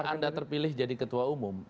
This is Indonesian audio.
kalau anda terpilih jadi ketua umum